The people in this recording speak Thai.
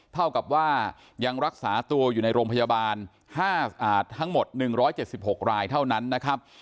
เท่ากับว่ายังรักษาตัวอยู่ในโรงพยาบาลทั้งหมด๑๗๖รายเท่านั้นนะครับ